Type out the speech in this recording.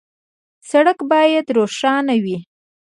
سړک باید روښانه وي.